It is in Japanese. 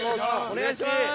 お願いします！